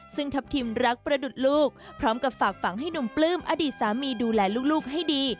ซึ่งทัพทิมรักประดุษลูกพร้อมกับฝากฝังให้หนุ่มปลื้มอดีตสามีดูแลลูกให้ดี